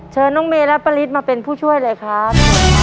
เชิญน้องเมย์และปริศมาเป็นผู้ช่วยเลยครับ